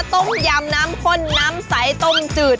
ต้มยำน้ำข้นน้ำใสต้มจืด